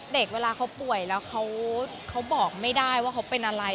เวลาเขาป่วยแล้วเขาบอกไม่ได้ว่าเขาเป็นอะไร